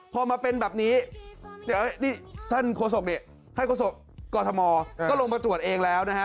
พอมาเป็นแบบนี้ท่านโคศกดิท่านโคศกกฎธมก็ลงมาตรวจเองแล้วนะฮะ